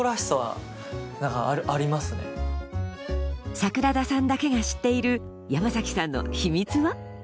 桜田さんだけが知っている山さんの秘密は？